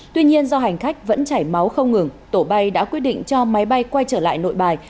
tuy nhiên do hành khách vẫn chảy máu không ngừng tổ bay đã quyết định cho máy bay quay trở lại nội bài